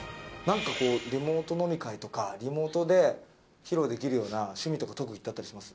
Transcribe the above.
リモート飲み会とかリモートで披露できるような趣味とか特技ってあったりします？